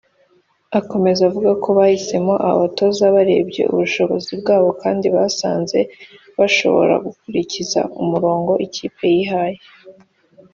Akomeza avuga ko bahisemo aba batoza barebye ubushobozi bwabo kandi basanze bashobora gukurikiza umurongo ikipe yihaye